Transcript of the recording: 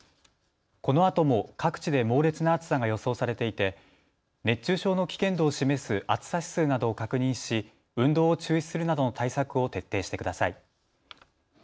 このあとも各地で猛烈な暑さが予想されていて熱中症の危険度を示す暑さ指数などを確認し運動を中止するなどの対策を徹底してください。